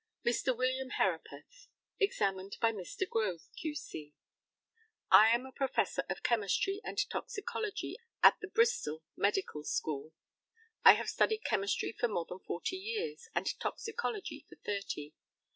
Mr. WILLIAM HERAPATH, examined by Mr. GROVE, Q.C.: I am a Professor of Chemistry and Toxicology at the Bristol Medical School. I have studied chemistry for more than forty years, and toxicology for thirty.